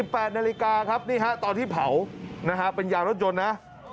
๑๘นาฬิกาครับตอนที่เผาเป็นยางรถยนต์นะ